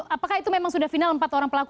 apakah itu memang sudah final empat orang pelaku